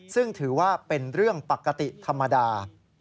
ซึ่งถือว่าเป็นเรื่องปกติธรรมดา